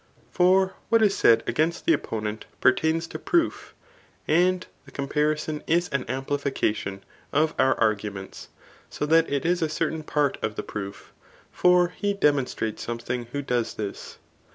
For what is said against the opponent, pertains to proof; and the com parison is an amplification of our arguments, so that it is a certain part of the proof; for he demonstrates some 256 THB ART OF BOOK XIT* thing who does this.